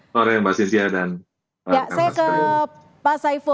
sore mbak sintia dan mbak mas kary